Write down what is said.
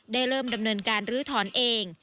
ได้เริ่มดำเนินการลื้อถอนเอง